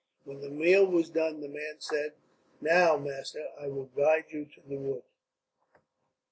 When the meal was done, the man said: "Now, master, I will guide you to the wood."